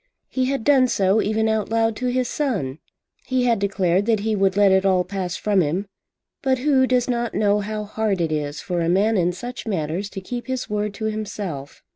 He had done so even out loud to his son. He had declared that he would "let it all pass from him." But who does not know how hard it is for a man in such matters to keep his word to himself?